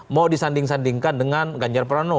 mau disanding sandingkan dengan ganjar pranowo